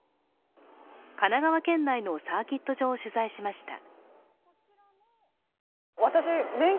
神奈川県内のサーキット場を取材しました。